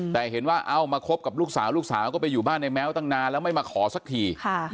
แต่เห็นว่าเอ้ามาคบกับลูกสาวลูกสาวก็ไปอยู่บ้านในแม้วตั้งนานแล้วไม่มาขอสักที